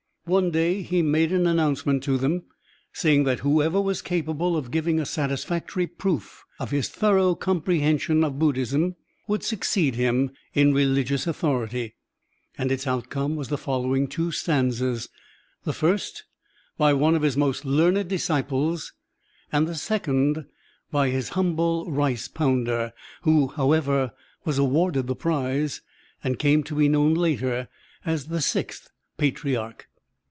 One day he made an announcement to them, saying that whoever was capable of giving a satisfactory proof of his thorough comprehension of Bud dhism would succeed him in reUgious authority. And its outcome was the following two stanzas, the first by one of his most learned disciples and the second by his htmible rice pounder, who, however, was awarded the prize and came to be known later as the sixth patriarch.